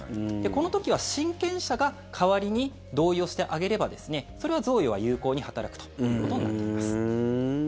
この時は親権者が代わりに同意をしてあげればそれは贈与は有効に働くということになります。